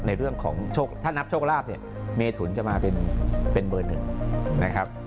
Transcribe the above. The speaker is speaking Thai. ในเรื่องของโชคถ้านับโชคลาภเนี่ยเมถุนจะมาเป็นเบอร์หนึ่งนะครับ